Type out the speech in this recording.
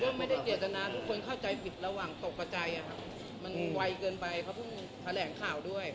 ก็ไม่ได้เจตนาทุกคนเข้าใจผิดระหว่างตกกระใจมันไวเกินไปเขาเพิ่งแถลงข่าวด้วย